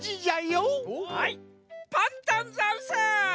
パンタンざんす！